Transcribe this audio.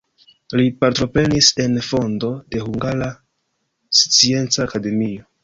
Li partoprenis en fondo de Hungara Scienca Akademio.